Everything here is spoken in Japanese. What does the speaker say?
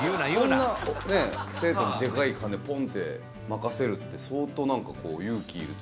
こんな生徒にでかい金ポンッて任せるって相当なんかこう勇気いるというか。